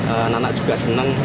anak anak juga senang